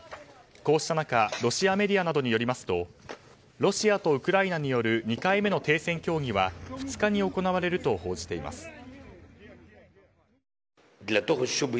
こうした中ロシアメディアなどによりますとロシアとウクライナによる２回目の停戦協議は２日に行われると報じています。